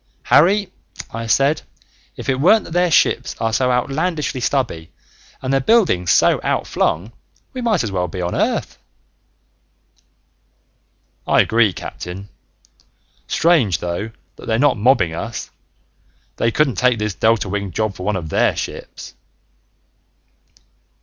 "Harry," I said, "if it weren't that their ships are so outlandishly stubby and their buildings so outflung, we might well be on Earth!" "I agree, Captain. Strange, though, that they're not mobbing us. They couldn't take this delta winged job for one of their ships!"